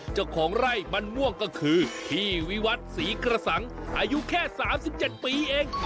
เจ้าของไร่มันม่วงก็คือพี่วิวัฒน์ศรีกระสังอายุแค่สามสิบเจ็ดปีเอง